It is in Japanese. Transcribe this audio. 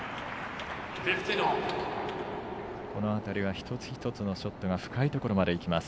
一つ一つのショットが深いところまでいきます。